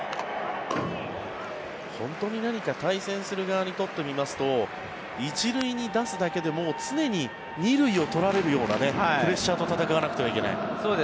本当に何か対戦する側にとってみますと１塁に出すだけで常に２塁を取られるようなプレッシャーと戦わなくてはいけない。